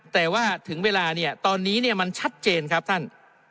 แต่ว่าถึงเวลาเนี่ยตอนนี้เนี่ยมันชัดเจนครับท่าน